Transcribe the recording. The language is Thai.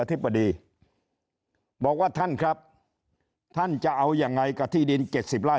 ธิบดีบอกว่าท่านครับท่านจะเอายังไงกับที่ดิน๗๐ไร่